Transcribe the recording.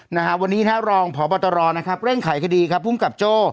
นะฮะวันนี้นะฮะรองพบตรนะครับเร่งไขคดีครับภูมิกับโจ้